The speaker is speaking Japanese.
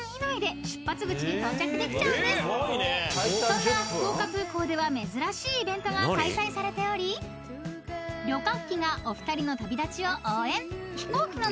［そんな福岡空港では珍しいイベントが開催されており旅客機がお二人の旅立ちを応援］